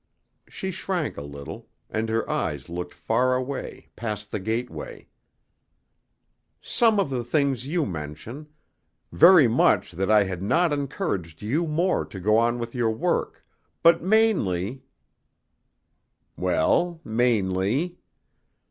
She shrank a little, and her eyes looked far away, past the gateway. "Some of the things you mention; very much that I had not encouraged you more to go on with your work, but mainly " "Well, mainly?"